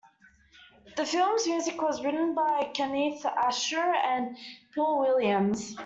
The film's music was written by Kenneth Ascher and Paul Williams.